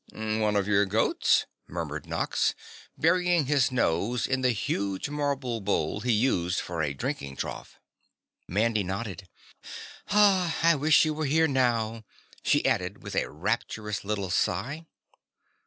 "One of your goats?" murmured Nox, burying his nose in the huge marble bowl he used for a drinking trough. Mandy nodded. "I wish she were here now!" she added with a rapturous little sigh.